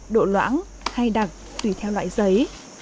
độ loãng hay đặc tùy theo loại giấy